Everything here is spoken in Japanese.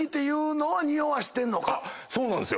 そうなんですよ。